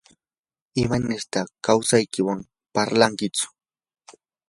¿imanirtaq qusaykiwan parlankichu?